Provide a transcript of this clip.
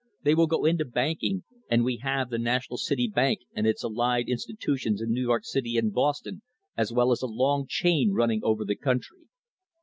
They will go into banking, and we have the National City Bank and its allied institutions in New York City and Boston, as well as a long chain running over the country.